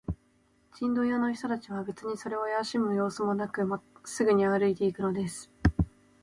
チンドン屋の人たちは、べつにそれをあやしむようすもなく、まっすぐに歩いていくのです。